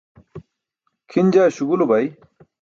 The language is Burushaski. Kʰin jaa śugulu bay.